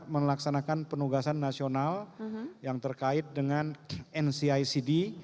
melaksanakan penugasan nasional yang terkait dengan ncicd